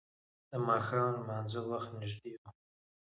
د ماښام لمانځه وخت نږدې و.